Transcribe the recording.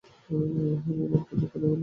হবু বরকে ধোকা দিয়ে লজ্জা লাগছে না?